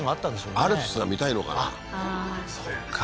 アルプスが見たいのかな？